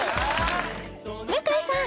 向井さん